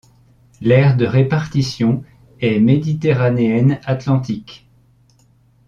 L'aire de répartition est méditerranéenne-atlantique.